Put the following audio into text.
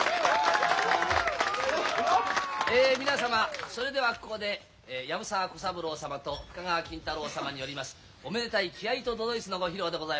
え皆様それではここで藪沢小三郎様と深川金太郎様によりますおめでたい木遣りと都々逸のご披露でございます。